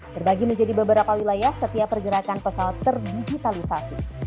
terbagi menjadi beberapa wilayah setiap pergerakan pesawat terdigitalisasi